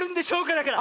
だから！